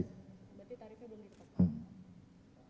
berarti tarifnya belum ditetapkan